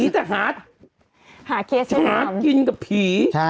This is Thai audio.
ใช่